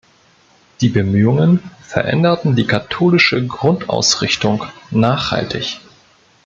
Die Bemühungen veränderten die katholische Grundausrichtung nachhaltig.